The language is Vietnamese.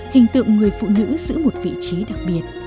hình tượng người phụ nữ giữ một vị trí đặc biệt